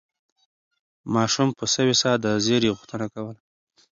ماشوم په سوې ساه د زېري غوښتنه کوله.